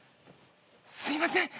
すいません。